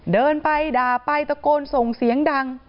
เดินไปด่าไปตะโกนส่งเสียงดัง